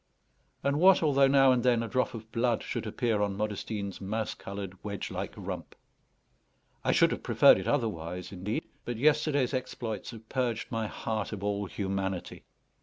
And what although now and then a drop of blood should appear on Modestine's mouse coloured wedge like rump? I should have preferred it otherwise, indeed; but yesterday's exploits had purged my heart of all humanity.